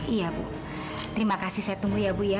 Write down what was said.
iya bu terima kasih saya tunggu ya bu ya